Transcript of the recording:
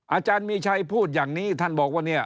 อาจารย์มีชัยพูดอย่างนี้ท่านบอกว่าเนี่ย